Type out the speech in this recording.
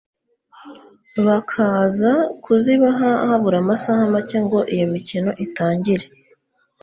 bakaza kuzibaha habura amasaha make ngo iyo mikino itangire